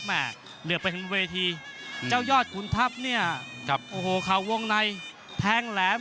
แหมเหลือเป็นเจ้ายอดคุณทัพเนี่ยครับโอ้โหขาววงในแพงแหลม